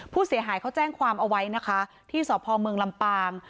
ผู้เสียหายเขาแจ้งความเอาไว้นะคะที่สพเมืองลำปาง